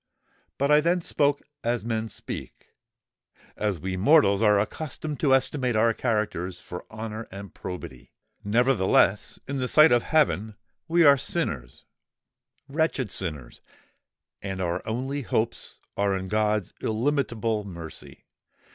But I then spoke as men speak—as we mortals are accustomed to estimate our characters for honour and probity. Nevertheless, in the sight of heaven, we are sinners—wretched sinners; and our only hopes are in God's illimitable mercy!